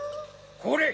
これ！